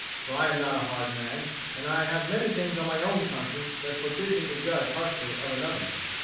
For I am not a hard man, and I have many things on my own conscience that forbid me to judge harshly of another."